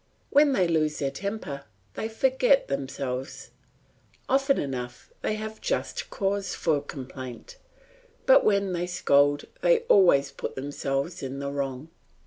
When they lose their temper they forget themselves; often enough they have just cause of complaint; but when they scold they always put themselves in the wrong.